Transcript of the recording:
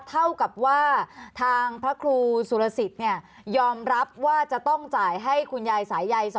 เท่ากับว่าทางพระครูสุรสิทธิ์ยอมรับว่าจะต้องจ่ายให้คุณยายสายใย๒